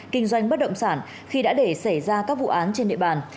kinh doanh bất động sản khi đã để xảy ra các vụ án trên địa bàn